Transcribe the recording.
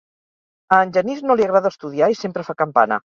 A en Genís no li agrada estudiar i sempre fa campana: